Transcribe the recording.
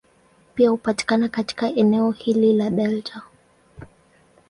Pia hupatikana katika eneo hili la delta.